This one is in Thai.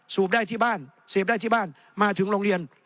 ได้ที่บ้านเสพได้ที่บ้านมาถึงโรงเรียน